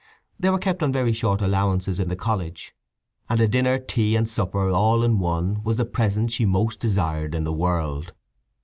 They were kept on very short allowances in the college, and a dinner, tea, and supper all in one was the present she most desired in the world.